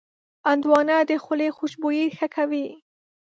هندوانه د خولې خوشبويي ښه کوي.